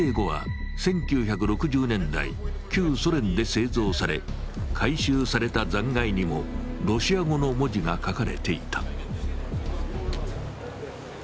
ＳＡ５は１９６０年代、旧ソ連で製造され、回収された残骸にもロシア語の文字が書かれていた。